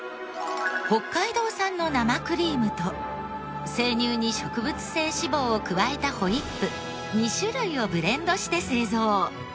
北海道産の生クリームと生乳に植物性脂肪を加えたホイップ２種類をブレンドして製造。